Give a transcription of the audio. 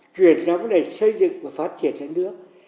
chuyển ra vấn đề xây dựng và phát triển thế nước